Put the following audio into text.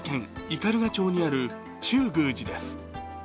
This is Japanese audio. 斑鳩町にある中宮寺です。